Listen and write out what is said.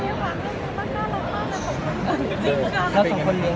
มีโครงการทุกทีใช่ไหม